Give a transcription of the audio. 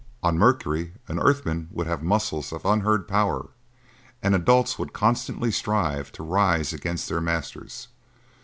On Mercury an earthman would have muscles of unheard of power and adults would constantly strive to rise against their masters.